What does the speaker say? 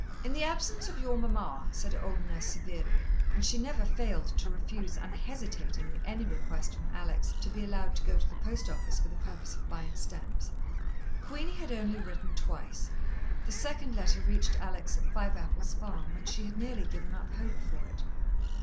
"In the absence of your mamma," said old Nurse severely, and she never failed to refuse unhesitatingly any request from Alex to be allowed to go to the post office for the purpose of buying stamps. Queenie had only written twice. The second letter reached Alex at Fiveapples Farm, when she had nearly given up hope for it.